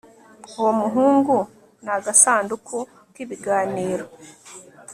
uwo muhungu ni agasanduku k'ibiganiro